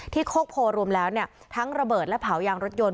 โคกโพรวมแล้วทั้งระเบิดและเผายางรถยนต